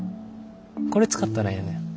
これ使ったらええねん。